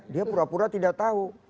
dia pura pura tidak tahu